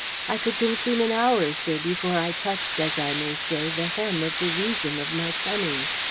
I could consume an hour, sir, before I touched as I may say the hem of the reason of my coming."